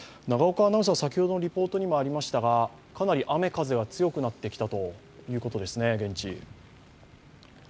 先ほどのリポートにもありましたが、現地、かなり雨風が強くなってきたということですね。